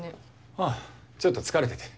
ああちょっと疲れてて。